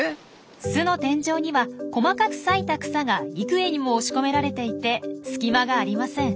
巣の天井には細かく裂いた草が幾重にも押し込められていて隙間がありません。